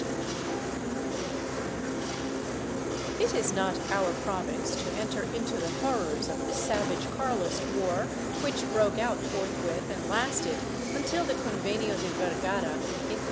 ''^ It is not our province to enter into the horrors of the savage Carlist war, which broke out forthwith and lasted until the Convenio de Vergara in 1839.